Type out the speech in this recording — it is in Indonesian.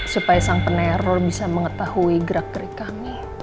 supaya sang peneror bisa mengetahui gerak gerik kami